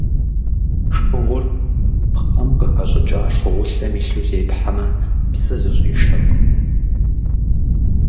Шыгъур пхъэм къыхэщӀыкӀа шыгъулъэм илъу зепхьэмэ, псы зыщӀишэркъым.